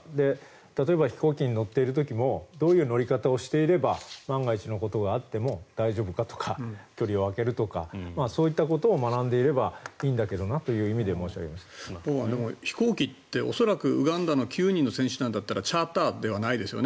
例えば、飛行機に乗っている時もどういう乗り方をしていれば万が一のことがあっても大丈夫かとか距離を空けるとかそういったことを学んでいればいいんだけどなという意味で僕は、飛行機って恐らくウガンダの９人の選手団だったらチャーターではないですよね。